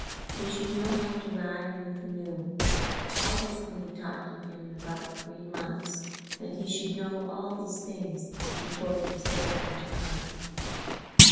He should know how to ride in a canoe. All this can be taught to him in about 3 months and he should know all these things before he is broken to hunt.